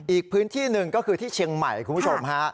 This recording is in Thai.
อีกพื้นที่หนึ่งก็คือที่เชียงใหม่คุณผู้ชมฮะ